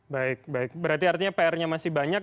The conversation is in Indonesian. baik baik berarti artinya pr nya masih banyak